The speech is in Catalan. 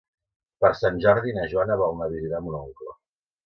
Per Sant Jordi na Joana vol anar a visitar mon oncle.